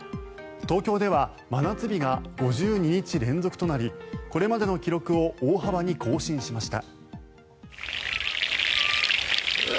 東京では真夏日が５２日連続となりこれまでの記録を大幅に更新しました。